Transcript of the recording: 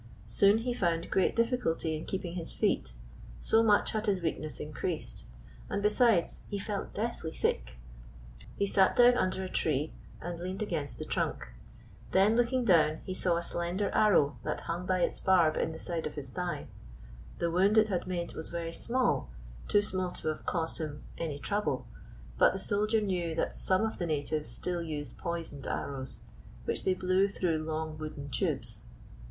Soon he found great difficulty in keeping his feet, so much had his weakness increased, and, besides, he felt deathly sick. He sat down under a tree, and leaned against the 164 Gyfisy — 7. " HE SAT DOWN UNDER A TREE, AND LEANED AGAINST THE See p . 164. TRUNK." * WHAT GYPSY FOUND trunk. Then, looking down, he saw a slender arrow that hung by its barb in the side of his thigh. The wound it had made was very small — too small to have caused him any trouble ; but the soldier knew that some of the natives still used poisoned arrows, which they blew through long wooden tubes.